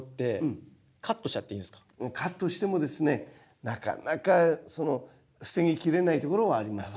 カットしてもですねなかなか防ぎきれないところはあります。